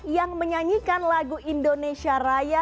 yang menyanyikan lagu indonesia raya